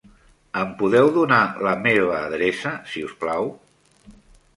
Em podeu donar la meva adreça, si us plau?